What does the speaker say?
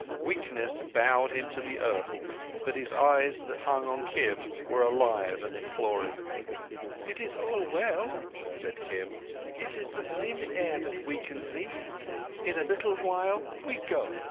Weakness bowed him to the earth, but his eyes that hung on Kim were alive and imploring. "It is all well," said Kim. "It is the thin air that weakens thee. In a little while we go!